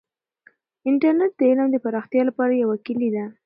انټرنیټ د علم د پراختیا لپاره یوه کیلي ده.